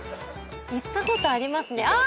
行ったことありますね。